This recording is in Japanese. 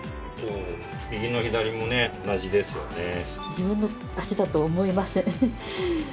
自分の脚だと思えません。